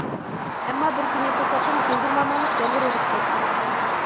ئەمما بىر كۈنى توساتتىن گۈلدۈرمامىلىق يامغۇر يېغىپ كەتتى.